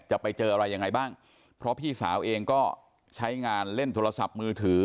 จะไปเจออะไรยังไงบ้างเพราะพี่สาวเองก็ใช้งานเล่นโทรศัพท์มือถือ